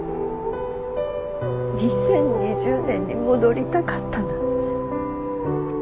２０２０年に戻りたかったなんて。